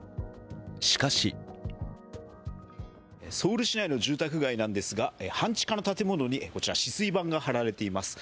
しかしソウル市内の住宅街なんですが、半地下の建物にこちら止水板が張られています。